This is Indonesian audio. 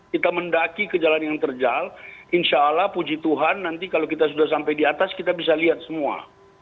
kita mendaki ke jalan yang terjal insya allah puji tuhan nanti kalau kita sudah sampai di atas kita bisa lihat semua